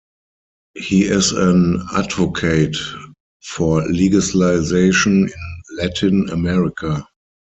He is an advocate for legalization in Latin America.